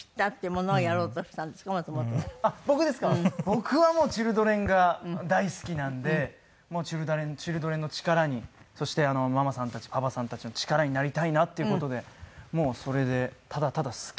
僕はもうチルドレンが大好きなんでチルドレンの力にそしてママさんたちパパさんたちの力になりたいなっていう事でもうそれでただただ好きで始めましたね。